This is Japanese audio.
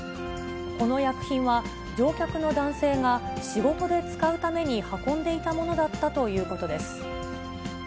この薬品は、乗客の男性が、仕事で使うために運んでいたものだったということです。